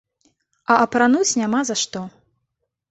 А апрануць няма за што.